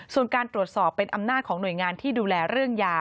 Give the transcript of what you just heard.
ส่วนการตรวจสอบเป็นอำนาจของหน่วยงานที่ดูแลเรื่องยา